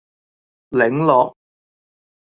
檸樂